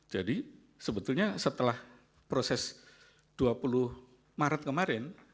jadi sebetulnya setelah proses dua puluh maret kemarin